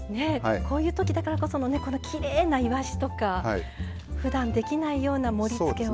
こういうときだからこそのきれいないわしとかふだんできないような盛りつけを。